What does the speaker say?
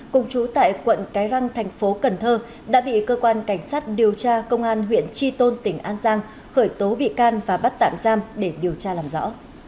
cùng chú tại quận cái răng thành phố cần thơ đã bị cơ quan cảnh sát điều tra công an huyện tri tôn tỉnh an giang khởi tố bị can và bắt tạm giam để điều tra làm rõ